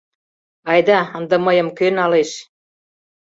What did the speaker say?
— Айда, ынде мыйым кӧ налеш.